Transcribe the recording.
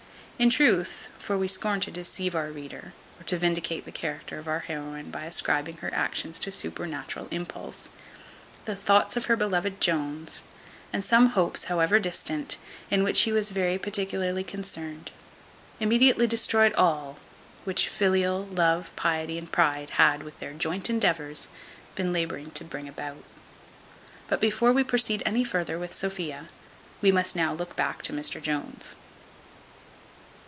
In truth (for we scorn to deceive our reader, or to vindicate the character of our heroine by ascribing her actions to supernatural impulse) the thoughts of her beloved Jones, and some hopes (however distant) in which he was very particularly concerned, immediately destroyed all which filial love, piety, and pride had, with their joint endeavours, been labouring to bring about. But before we proceed any farther with Sophia, we must now look back to Mr Jones.